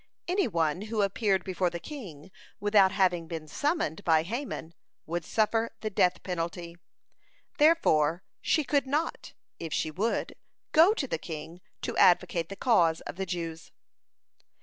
Any one who appeared before the king without having been summoned by Haman, would suffer the death penalty. Therefore, she could not, if she would, go to the king to advocate the cause of the Jews.